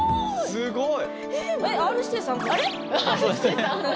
すごい。